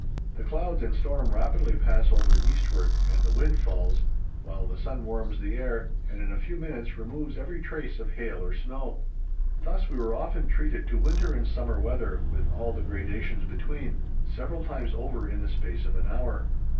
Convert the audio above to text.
The clouds and storm rapidly pass over eastward, and the wind falls, while the sun warms the air, and in a few minutes removes every trace of hail or snow. Thus we were often treated to winter and summer weather, with all the gradations between, several times over in the space of an hour.